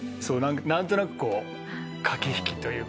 なんとなくこう駆け引きというか。